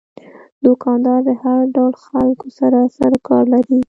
دوکاندار د هر ډول خلکو سره سروکار لري.